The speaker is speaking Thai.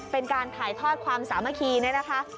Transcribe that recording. เป็นการถ่ายทอดความสามคีนะคะ